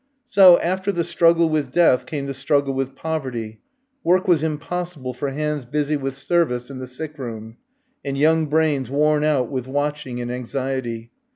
So, after the struggle with death, came the struggle with poverty. Work was impossible for hands busy with service in the sick room, and young brains worn out with watching and anxiety.